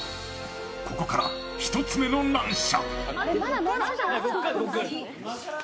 ここから一つ目の難所。